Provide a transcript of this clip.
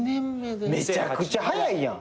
めちゃくちゃ早いやん。